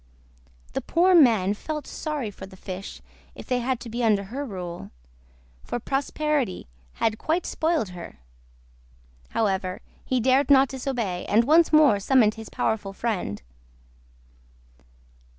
The poor old man felt sorry for the fish if they had to be under her rule, for prosperity had quite spoiled her. However, he dared not disobey, and once more summoned his powerful friend.